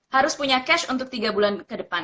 harus punya cash untuk tiga bulan ke depan